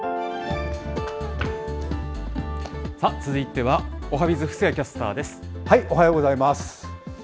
続いてはおはＢｉｚ、おはようございます。